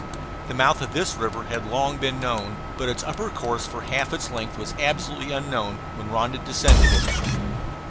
The mouth of this river had long been known, but its upper course for half its length was absolutely unknown when Rondon descended it.